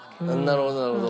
なるほどなるほど。